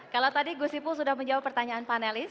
kalau tadi guzipul sudah menjawab pertanyaan panelis